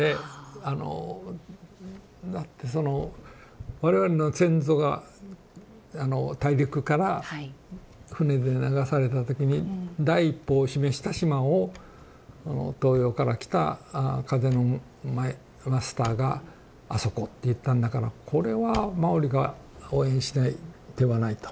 あのだってその我々の先祖が大陸から船で流された時に第一歩を示した島を東洋から来た風のマスターが「あそこ」って言ったんだからこれはマオリが応援しない手はないと。